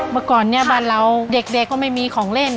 เมื่อก่อนเนี่ยบ้านเราเด็กก็ไม่มีของเล่น